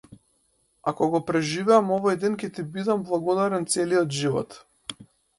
Ако го преживеам овој ден ќе ти бидам благодарен целиот живот.